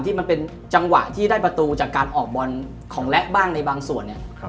ที่มันเป็นจังหวะที่ได้ประตูจากการออกบอลของแล็กบ้างในบางส่วนเนี่ย